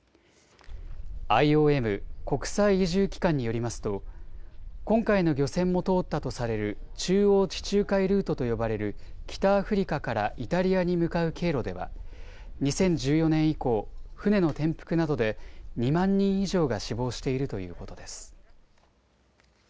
ＩＯＭ・国際移住機関によりますと今回の漁船も通ったとされる中央地中海ルートと呼ばれる北アフリカからイタリアに向かう経路では２０１４年以降、船の転覆などで２万人以上が死亡しているということです。